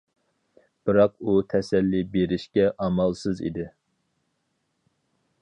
بىراق ئۇ تەسەللى بېرىشكە ئامالسىز ئىدى.